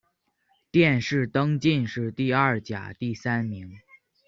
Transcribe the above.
殿试登进士第二甲第三名。